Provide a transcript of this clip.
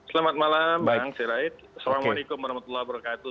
selamat malam bang sirait assalamualaikum warahmatullahi wabarakatuh